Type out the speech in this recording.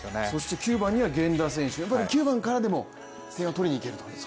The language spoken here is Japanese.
９番には源田選手、やっぱり９番からでも点を取りにいけると？